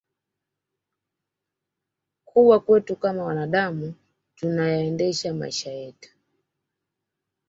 kuubwa kwetu kama wanaadamu tunayaendesha maisha yetu